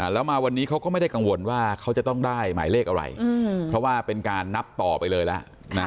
แล้วมาวันนี้เขาก็ไม่ได้กังวลว่าเขาจะต้องได้หมายเลขอะไรเพราะว่าเป็นการนับต่อไปเลยแล้ว